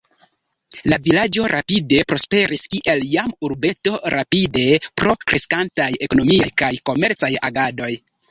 La vilaĝo rapide prosperis kiel jam urbeto rapide pro kreskantaj ekonomiaj kaj komercaj agadoj.